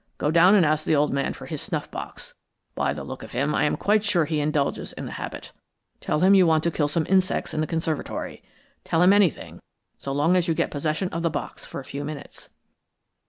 Go down and ask the old man for his snuff box. By the look of him, I am quite sure he indulges in the habit. Tell him you want to kill some insects in the conservatory. Tell him anything, so long as you get possession of the box for a few minutes."